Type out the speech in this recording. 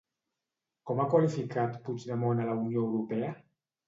Com ha qualificat Puigdemont a la Unió Europea?